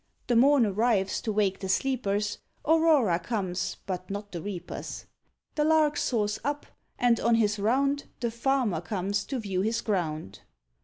The morn arrives to wake the sleepers, Aurora comes, but not the reapers. The Lark soars up: and on his round The farmer comes to view his ground.